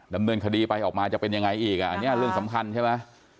ดำเนินคดีไปออกมาจะเป็นยังไงอีกอ่ะอันนี้เรื่องสำคัญใช่ไหม